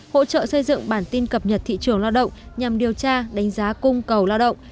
hỗ trợ xây dựng bản tin cập nhật thị trường lao động nhằm điều tra đánh giá cung cầu lao động